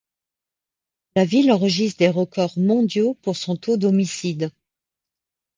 La ville enregistre des records mondiaux pour son taux d'homicides.